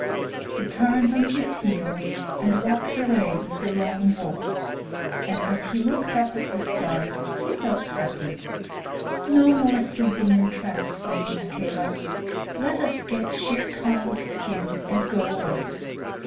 He turned on his heel and walked away with the Lone Wolf, and as he looked up at the stars he felt happy. "No more sleeping in traps for me, Akela. Let us get Shere Khan's skin and go away.